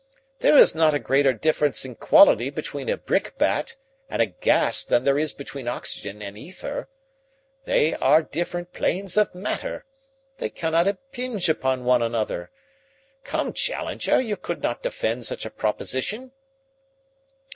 There is not a greater difference in quality between a brick bat and a gas than there is between oxygen and ether. They are different planes of matter. They cannot impinge upon one another. Come, Challenger, you could not defend such a proposition."